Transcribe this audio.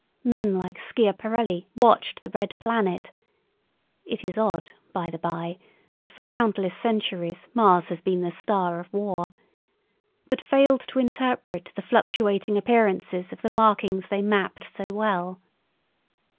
Men like Schiaparelli watched the red planet—it is odd, by the bye, that for countless centuries Mars has been the star of war—but failed to interpret the fluctuating appearances of the markings they mapped so well.